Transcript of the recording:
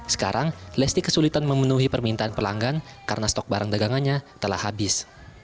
sekarang lesti kesulitan memenuhi permintaan pelanggan karena stok barang dagangannya telah habis